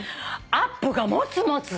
アップが持つ持つ！